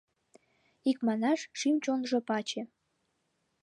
Икманаш, шӱм-чонжо паче.